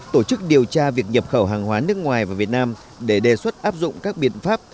tổ chức điều tra việc nhập khẩu hàng hóa nước ngoài vào việt nam để đề xuất áp dụng các biện pháp